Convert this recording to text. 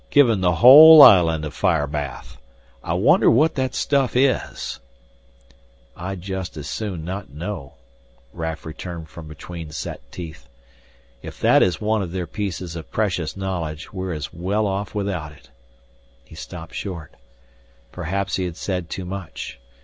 "Giving the whole island a fire bath. I wonder what that stuff is " "I'd just as soon not know," Raf returned from between set teeth. "If that is one of their pieces of precious knowledge, we're as well off without it " he stopped short. Perhaps he had said too much.